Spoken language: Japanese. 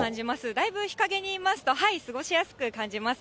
だいぶ日陰にいますと、過ごしやすく感じます。